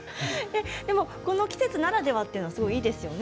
この季節ならではというのでいいですよね。